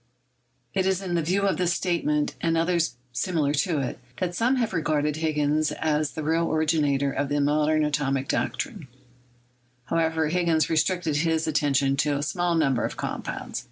It is in view of this state ATOMIC THEORY— WORK OF DAVY 175 rnent, and others similar tc it, that some have regarded Higgins as the real originator of the modern atomic doc trine. However, Higgins restricted his attention to a small number of compounds.